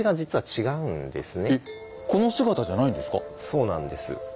そうなんです。